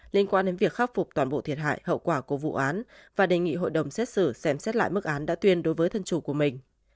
liên quan đến việc khắc phục toàn bộ thiệt hại hậu quả của vụ án và đề nghị hội đồng xét xử xem xét lại mức án đã tuyên đối với thân chủ của mình